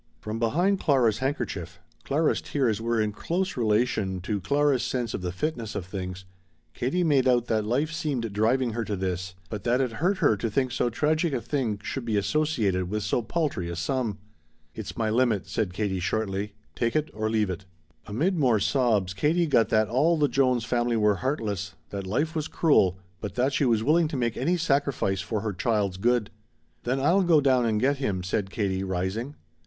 From behind Clara's handkerchief Clara's tears were in close relation to Clara's sense of the fitness of things Katie made out that life seemed driving her to this, but that it hurt her to think so tragic a thing should be associated with so paltry a sum. "It's my limit," said Katie shortly. "Take it or leave it." Amid more sobs Katie got that all the Jones family were heartless, that life was cruel, but that she was willing to make any sacrifice for her child's good. "Then I'll go down and get him," said Katie, rising.